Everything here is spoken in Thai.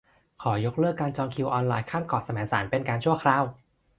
ขอยกเลิกการจองคิวออนไลน์ข้ามเกาะแสมสารเป็นการชั่วคราว